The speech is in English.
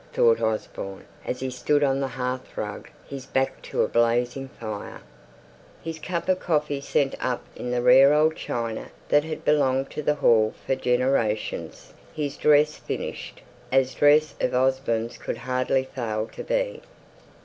thought Osborne, as he stood on the hearth rug, his back to a blazing fire, his cup of coffee sent up in the rare old china that had belonged to the Hall for generations; his dress finished, as dress of Osborne's could hardly fail to be.